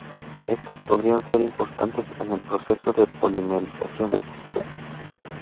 Estos podrían ser importantes en el proceso de polimerización.